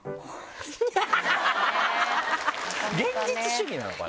現実主義なのかな？